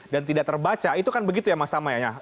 dan tidak terbaca itu kan begitu ya mas tama ya